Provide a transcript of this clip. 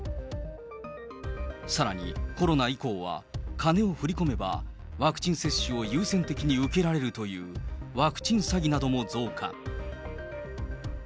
さらにコロナ以降は、金を振り込めばワクチン接種を優先的に受けられるという、ワクチン詐欺なども増加。